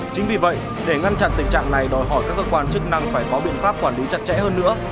chính vì vậy để ngăn chặn tình trạng này đòi hỏi các cơ quan chức năng phải có biện pháp quản lý chặt chẽ hơn nữa